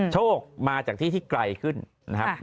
โชคมาจากที่ที่ไกลขึ้นนะครับ